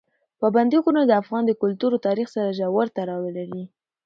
پابندي غرونه د افغان کلتور او تاریخ سره ژور تړاو لري.